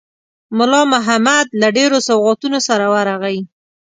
مُلا محمد له ډېرو سوغاتونو سره ورغی.